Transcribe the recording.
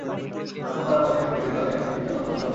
খাতনা করার পর তৃতীয় দিবসে তাদের ভীষণ যন্ত্রণা শুরু হয়।